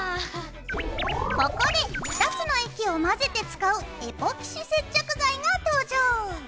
ここで２つの液を混ぜて使うエポキシ接着剤が登場！